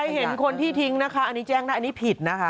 เห็นคนที่ทิ้งนะคะอันนี้แจ้งได้อันนี้ผิดนะคะ